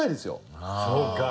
そうか。